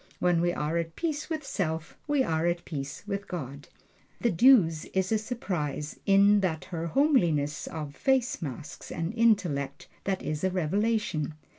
When we are at peace with self we are at peace with God. The Duse is a surprise, in that her homeliness of face masks an intellect that is a revelation.